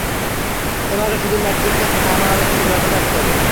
তোমাকে শুধু ম্যাট্রিক্সের ছায়া মাড়ানো থেকে বিরত থাকতে হবে।